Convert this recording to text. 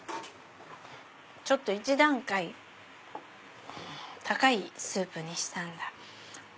ちょっと１段階高いスープにしたんだ。